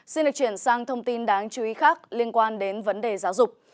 xin được chuyển sang thông tin đáng chú ý khác liên quan đến vấn đề giáo dục